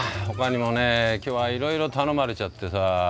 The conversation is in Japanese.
ほかにもね今日はいろいろ頼まれちゃってさ。